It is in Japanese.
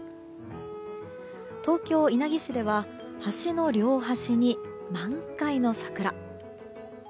東京・稲城市では、橋の両端に満開の桜。